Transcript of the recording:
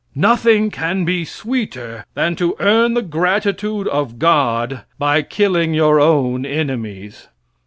Nothing can be sweeter than to earn the gratitude of God by killing your own enemies.